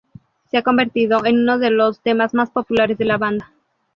Se ha convertido en uno de los temas más populares de la banda.